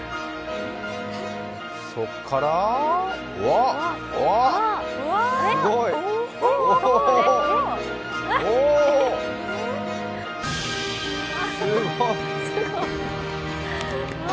そこから、わ、すごい。